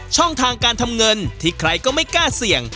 ช่องทางการทำเงินที่ใครก็ไม่กล้าเสี่ยง